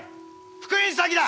復員詐欺だ！